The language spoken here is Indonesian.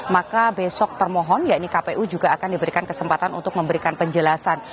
maka besok termohon yakni kpu juga akan diberikan kesempatan untuk memberikan penjelasan